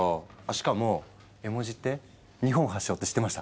しかも絵文字って日本発祥って知ってました？